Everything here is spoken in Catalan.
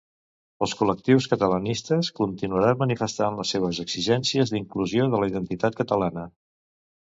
Els col·lectius catalanistes continuaran manifestant les seves exigències d'inclusió de la identitat catalana.